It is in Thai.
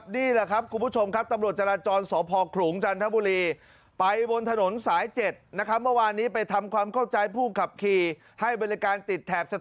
นี่แหละครับคุณผู้ชมตำรวจจาราจรสภครูงจันทบุรี